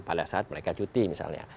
pada saat mereka cuti misalnya